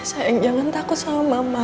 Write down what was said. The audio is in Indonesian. saya jangan takut sama mama